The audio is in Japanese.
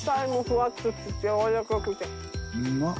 うまっ。